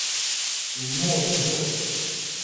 明末进士。